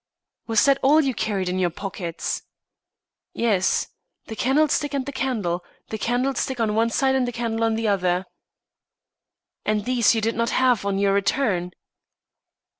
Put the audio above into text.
"Was that all you carried in your pockets?" "Yes the candlestick and the candle. The candlestick on one side and the candle on the other." "And these you did not have on your return?"